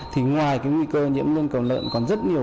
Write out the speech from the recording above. thì ngoài cái nguy cơ nhiễm nhung cầu lợn còn rất nhiều